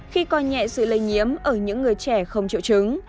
khi coi nhẹ sự lây nhiễm ở những người trẻ không triệu chứng